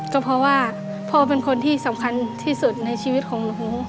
ก็เพราะว่าพ่อเป็นคนที่สำคัญที่สุดในชีวิตของหนู